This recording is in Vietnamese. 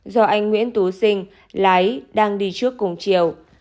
do anh nguyễn tú sinh lái đang đi trước cùng chiều